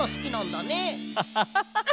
ハハハハ。